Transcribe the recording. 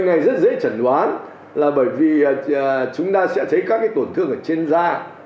ngày rất dễ chẩn đoán là bởi vì chúng ta sẽ thấy các cái tổn thương ở trên da